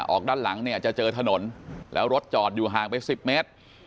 ด้านหลังเนี่ยจะเจอถนนแล้วรถจอดอยู่ห่างไป๑๐เมตร